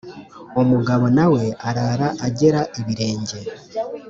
umugabo na we arara agera ibirenge